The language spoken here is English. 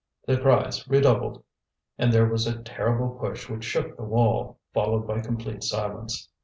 The cries redoubled, and there was a terrible push which shook the wall, followed by complete silence.